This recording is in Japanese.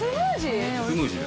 スムージー？